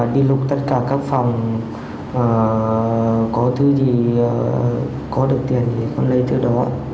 đi lục tất cả các phòng có thứ gì có được tiền thì tôi lấy từ đó